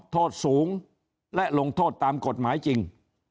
โทษสูงและลงโทษตามกฎหมายจริง